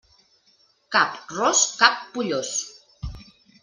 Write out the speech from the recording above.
Cap ros, cap pollós.